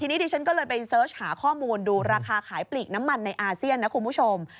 ทีนี้ดิฉันก็เลยไปเสิร์ชหาข้อมูลดูราคาขายปลีกน้ำมันในอาเซียนนะคุณผู้ชม